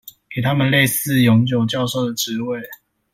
給他們類似永久教授的職位